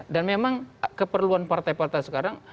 dan memang keperluan partai partai sekarang